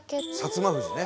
摩富士ね。